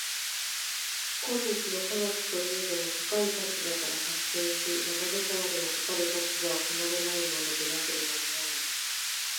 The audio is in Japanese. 今日の科学といえども、かかる立場から発展し、またどこまでもかかる立場を離れないものでなければならない。